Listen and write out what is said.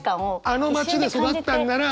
あの町で育ったんなら。